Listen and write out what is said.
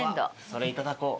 それいただこう。